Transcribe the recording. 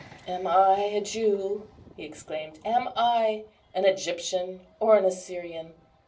"Am I a Jew?" he exclaimed; "am I an Egyptian, or an Assyrian?